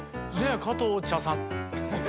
加藤茶さん。